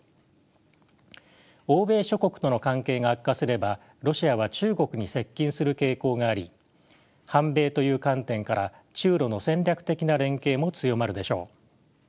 欧米諸国との関係が悪化すればロシアは中国に接近する傾向があり反米という観点から中ロの戦略的な連携も強まるでしょう。